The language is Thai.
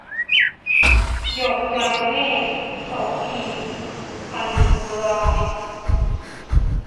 หยกลายเมฆ - โสภี พรรณราย